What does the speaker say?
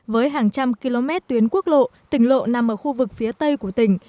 với hàng trăm km tuyến quốc lộ tỉnh lộ nằm ở khu vực phía tây của tỉnh